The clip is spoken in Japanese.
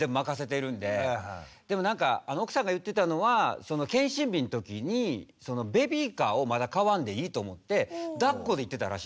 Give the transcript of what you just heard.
でもなんか奥さんが言ってたのは健診日の時にベビーカーをまだ買わんでいいと思ってだっこで行ってたらしいんですよ。